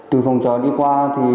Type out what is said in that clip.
từ phòng trò đi qua